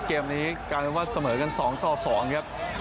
เกมนี้การว่าเสมอกัน๒๒ครับ